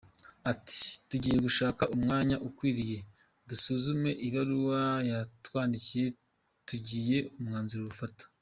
Ati “Tugiye gushaka umwanya ukwiriye dusuzume ibaruwa yatwandikiye tugire umwanzuro dufata.”